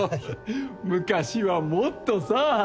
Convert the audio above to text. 昔はもっとさ！